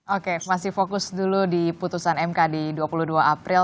oke masih fokus dulu di putusan mk di dua puluh dua april